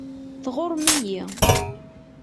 Tɣuṛṛem-iyi.